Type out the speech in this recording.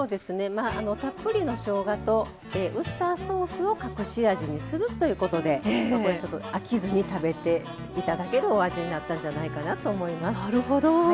たっぷりのしょうがとウスターソースを隠し味にするということで飽きずに食べていただけるお味になったんじゃないかなと思います。